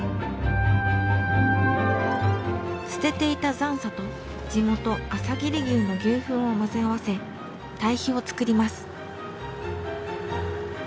捨てていた残渣と地元朝霧牛の牛ふんを混ぜ合わせ堆肥を作ります。